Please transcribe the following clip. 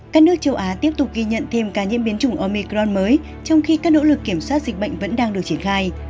các nước châu á tiếp tục ghi nhận thêm ca nhiễm biến chủng omicron mới trong khi các nỗ lực kiểm soát dịch bệnh vẫn đang được triển khai